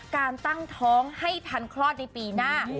การตั้งท้องให้ทันคลอดในปีหน้า